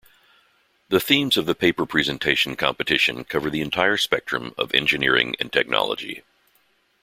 The themes of paper presentation competition cover the entire spectrum of engineering and technology.